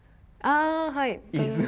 あはい！